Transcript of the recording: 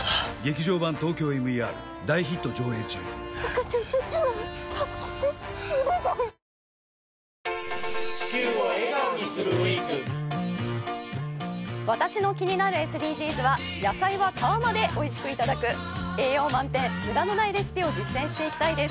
生しょうゆはキッコーマン私の気になるＳＤＧｓは野菜は皮までおいしくいただく栄養満点むだのないレシピを実践していきたいです